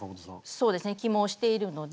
そうですね起毛しているので。